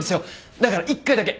だから１回だけ！